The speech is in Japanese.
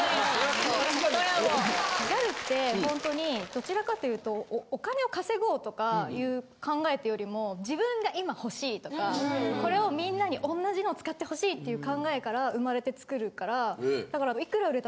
・それは桁違い・ギャルってほんとにどちらかと言うとお金を稼ごうとかいう考えというよりも自分が今欲しいとかこれをみんなに同じの使ってほしいっていう考えから生まれて作るからだから。